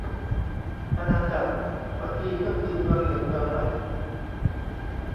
อาณาจักร บางทีก็คือเมืองหนึ่งเมืองไหม